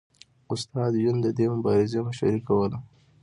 استاد یون د دې مبارزې مشري کوله